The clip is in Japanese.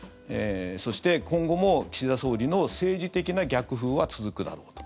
そして、今後も岸田総理の政治的な逆風は続くだろうと。